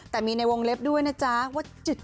แต่มีในวงเล็บด้วยนะจ๊ะว่า